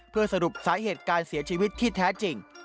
เพื่อสรุปสาเหตุการเสียชีวิตที่แท้จริง